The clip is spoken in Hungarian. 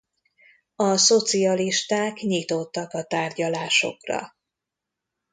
A szocialisták nyitottak a tárgyalásokra.